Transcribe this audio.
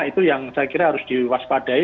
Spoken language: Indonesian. itu yang saya kira harus diwaspadai